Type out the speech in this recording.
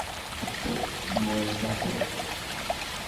আব্বে, মরে যাব?